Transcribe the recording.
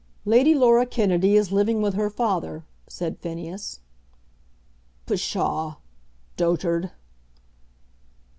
"Lady Laura Kennedy is living with her father," said Phineas. "Pshaw; dotard!"